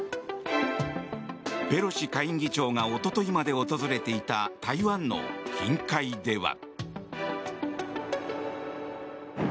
ペロシ下院議長がおとといまで訪れていた台湾の近海では。